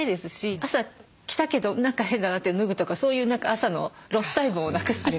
朝着たけど何か変だなって脱ぐとかそういう何か朝のロスタイムもなくなります。